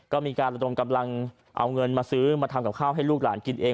ก็มีการระดมกำลังเอาเงินมาซื้อมาทำกับข้าวให้ลูกหลานกินเอง